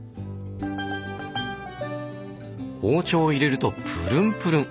包丁を入れるとプルンプルン！